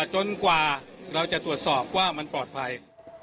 จนกว่าเราจะตรวจสอบว่ามันปลอดภัย